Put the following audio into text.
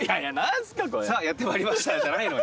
さあやってまいりましたじゃないのよ。